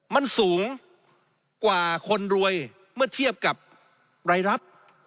มันสูงกว่าคนรวยเมื่อเทียบกับรายรับ